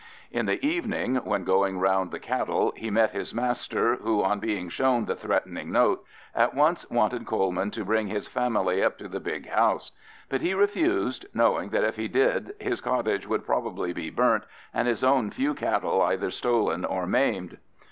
In the evening, when going round the cattle, he met his master, who, on being shown the threatening note, at once wanted Coleman to bring his family up to the big house; but he refused, knowing that if he did his cottage would probably be burnt and his own few cattle either stolen or maimed.